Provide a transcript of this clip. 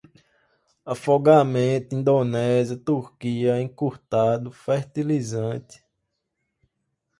afogamento, Indonésia, Turquia, encurtado, fertilizante